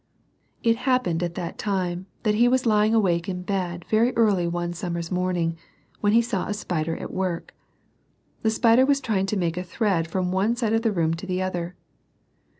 It happened at that time that he was lying awake in bed very early one summer's morning, when he saw a spider at work. The spider was trying to make a thread from one side of the room to the other.